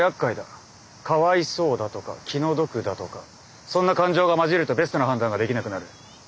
かわいそうだとか気の毒だとかそんな感情が混じるとベストな判断ができなくなる。